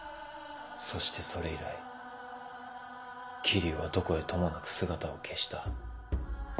そしてそれ以来霧生はどこへともなく姿を消した。